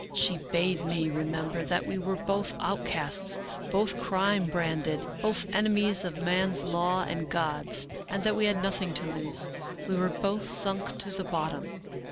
She bade me remember that we were both out casts, both crime branded, both enemies of man's law and God's; that we had nothing to lose; we were both sunk to the bottom.